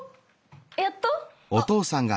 やっと？